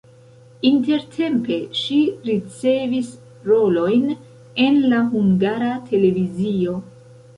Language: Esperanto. Intertempe ŝi ricevis rolojn en la Hungara Televizio.